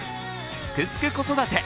「すくすく子育て」